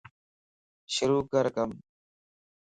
شروع ڪر ڪم